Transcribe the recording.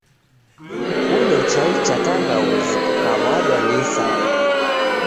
Kunyo chai cha tangauzi kukaw'adwa ni isama.